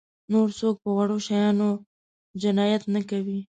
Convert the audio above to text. نور څوک په وړو شیانو جنایت نه کوي.